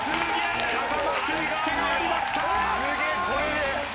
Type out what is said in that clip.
風間俊介がやりました！